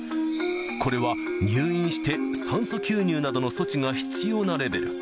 これは入院して、酸素吸入などの措置が必要なレベル。